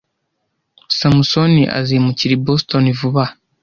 Samusoni azimukira i Boston vuba aha.